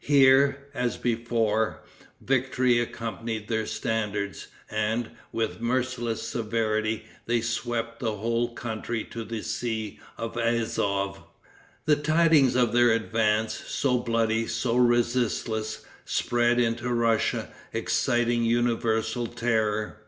Here, as before, victory accompanied their standards, and, with merciless severity, they swept the whole country to the sea of Azof. The tidings of their advance, so bloody, so resistless, spread into Russia, exciting universal terror.